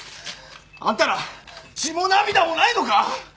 あんたら血も涙もないのか！